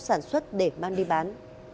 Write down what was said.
sản xuất để mang đi bán